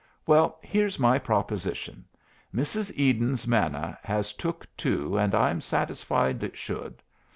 "Well, here's my proposition: Mrs. Eden's manna has took two, and I'm satisfied it should.